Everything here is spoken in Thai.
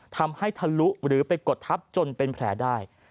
ทะลุหรือไปกดทับจนเป็นแผลได้